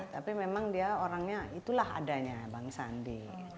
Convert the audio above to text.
tapi memang dia orangnya itulah adanya bang sandi